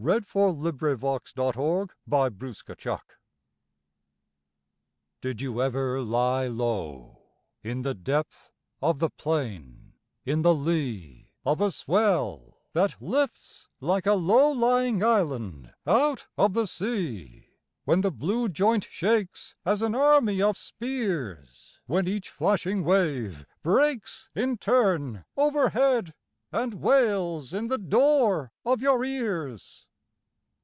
43 44 PRAIRIE SONGS IN THE AUTUMN GRASS. Did you ever lie low In the depth of the plain, & In the lee of a swell that lifts Like a low lying island out of the sea, When the blue joint shakes As an army of spears; When each flashing wave breaks In turn overhead And wails in the door of your ears